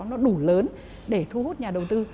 nó đủ lớn để thu hút nhà đầu tư